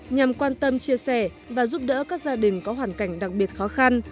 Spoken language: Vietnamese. nhằm quan tâm chia sẻ và giúp đỡ các gia đình có hoàn cảnh đặc biệt khó khăn